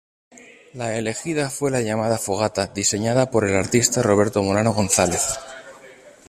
La elegida fue la llamada Fogata, diseñada por el artista Roberto Molano González.